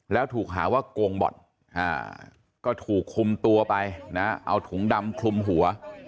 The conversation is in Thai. แล้วถูกหาว่าโกงบ่อนก็ถูกคุมตัวไปนะเอาถุงดำคลุมหัว